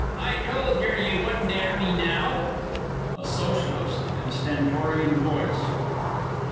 I told yer ye wouldn't 'ear me now! A SOCIALIST (in a stentorian voice).